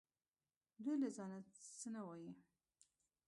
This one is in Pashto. دوی له ځانه څه نه وايي